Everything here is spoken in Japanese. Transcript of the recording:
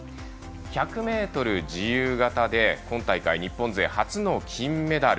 １００ｍ自由形で今大会、日本勢初の金メダル。